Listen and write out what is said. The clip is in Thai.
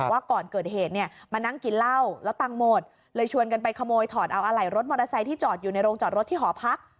ว่าก่อนเกิดเหตุเนี่ยมานั่งกินเหล้าแล้วตังค์หมดเลยชวนกันไปขโมยถอดเอาอะไหล่รถมอเตอร์ไซค์ที่จอดอยู่ในโรงจอดรถที่หอพัก